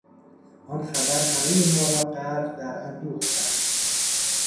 آن خبر همهی ما را غرق در اندوه کرد.